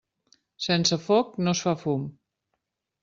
Sense foc no es fa fum.